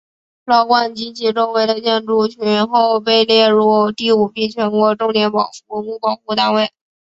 老馆及其周围的建筑群后被列入第五批全国重点文物保护单位。